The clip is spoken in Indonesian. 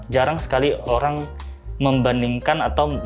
jarang sekali orang membandingkan atau